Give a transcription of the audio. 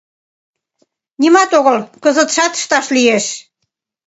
Нимат огыл, кызытшат ышташ лиеш.